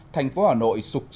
thành phố hà nội sụp đổ